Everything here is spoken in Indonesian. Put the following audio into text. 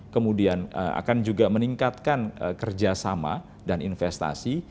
kemudian akan juga meningkatkan kerjasama dan investasi